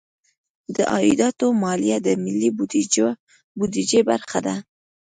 د عایداتو مالیه د ملي بودیجې برخه ده.